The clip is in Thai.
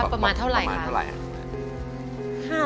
ประมาณเท่าไรค่ะ